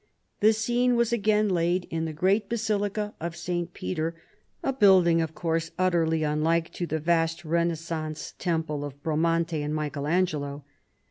The scene Avas again laid in the great basilica of St. Peter, a building, of course, utterly unlike to the vast Kenais sance temple of Pramante and Michael Angelo.